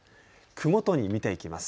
区ごとに見ていきます。